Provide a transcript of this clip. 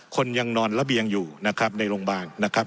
คนยังนอนระเบียงอยู่นะครับในโรงพยาบาลนะครับ